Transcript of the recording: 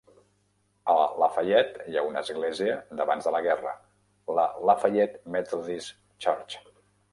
A LaFayette hi ha una església d'abans de la guerra, la Lafayette Methodist Church.